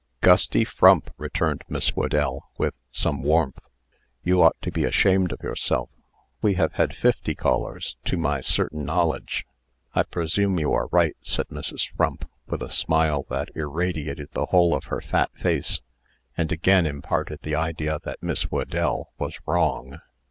"Gusty Frump," returned Miss Whedell, with some warmth, "you ought to be ashamed of yourself! We have had fifty callers, to my certain knowledge." "I presume you are right," said Mrs. Frump, with a smile that irradiated the whole of her fat face, and again imparted the idea that Miss Whedell was wrong.